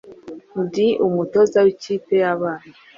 ndi n’umutoza wikipe yabana